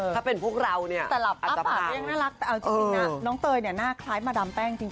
ถ้าเป็นพวกเราเนี่ยอาจจะพังแต่เอาจริงน่าน้องเตยเนี่ยหน้าคล้ายมาดำแป้งจริงนะ